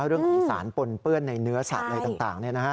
เรื่องของสารปนเปื้อนในเนื้อสัตว์ในต่างเนี่ยนะฮะ